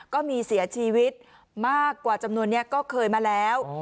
ก็มีเสียชีวิตมากกว่าจำนวนนี้ก็เคยมาแล้ว